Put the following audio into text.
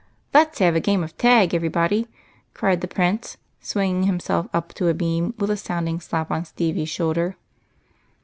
" Let 's have a game of tag," cried the Prince, swing ing himself up to a beam with a sounding slajD on Stevie's shoulder.